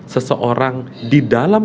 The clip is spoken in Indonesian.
seseorang di dalam